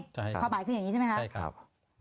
ความหมายขึ้นอย่างนี้ใช่ไหมครับ